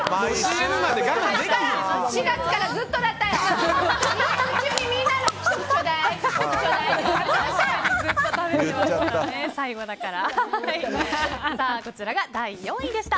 ４月からずっとだった！